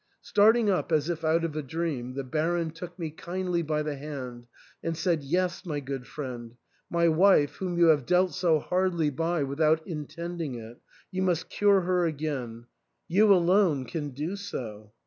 Start ing up as if out of a dream, the Baron took me kindly by the hand and said, " Yes, my good friend, my wife, whom you have dealt so hardly by without intending it — you must cure her again ; you alone can do so."